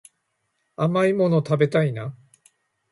甘いもの食べたいな